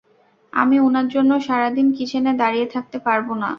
আমি উনার জন্য সারাদিন কিচেনে দাঁড়িয়ে থাকতে পারব না।